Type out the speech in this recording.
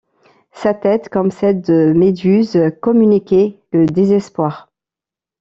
Sa tête, comme celle de Méduse, communiquait le désespoir.